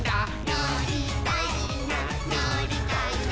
「のりたいなのりたいな」